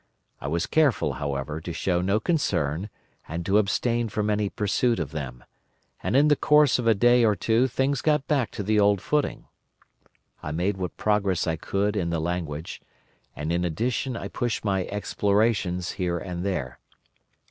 I was careful, however, to show no concern and to abstain from any pursuit of them, and in the course of a day or two things got back to the old footing. I made what progress I could in the language, and in addition I pushed my explorations here and there.